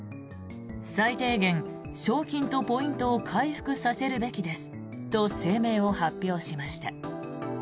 最低限、賞金とポイントを回復させるべきですと声明を発表しました。